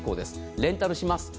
レンタルします。